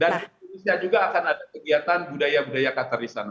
di indonesia juga akan ada kegiatan budaya budaya qatar di sana